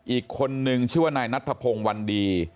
อีกคนนึงชื่อว่านายนัทธพงศ์วันดี